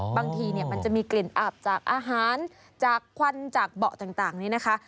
บางทีมันจะมีกลิ่นอาบจากอาหารจากควันจากเบาะต่างนี้นะคะ